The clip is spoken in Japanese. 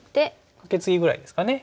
カケツギぐらいですかね。